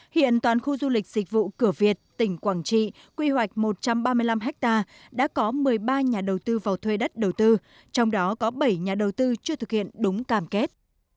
hiện toàn khu du lịch dịch vụ cửa việt tỉnh quảng trị quy hoạch một trăm ba mươi năm ha đã có một mươi ba nhà đầu tư vào thuê đất đầu tư trong đó có bảy nhà đầu tư chưa thực hiện đúng cam kết